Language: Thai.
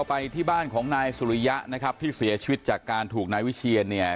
ไปที่บ้านของนายสุริยะนะครับที่เสียชีวิตจากการถูกนายวิเชียนเนี่ย